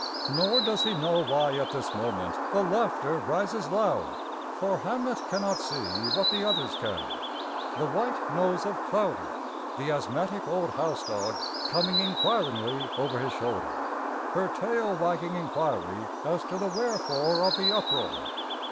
Nor does he know why at this moment the laughter rises loud. For Hamnet cannot see what the others can the white nose of Clowder, the asthmatic old house dog, coming inquiringly over his shoulder, her tail wagging inquiry as to the wherefore of the uproar.